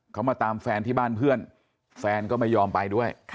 เขามาตามแฟนที่บ้านเพื่อนแฟนก็ไม่ยอมไปด้วย